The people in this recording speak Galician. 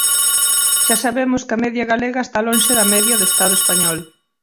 Xa sabemos que a media galega está lonxe da media do Estado español.